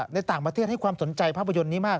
ในต่างประเทศให้ความสนใจภาพยนตร์นี้มาก